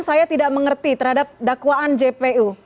saya tidak mengerti terhadap dakwaan jpu